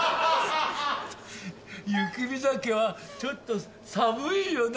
雪見酒はちょっと寒いよな。